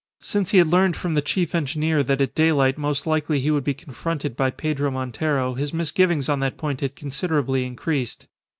Since he had learned from the chief engineer that at daylight most likely he would be confronted by Pedro Montero his misgivings on that point had considerably increased.